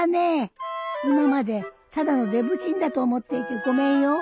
今までただのデブちんだと思っていてごめんよ。